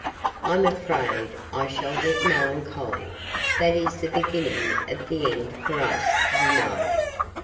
I'm afraid I shall get melancholy,—that is the beginning of the end for us, you know."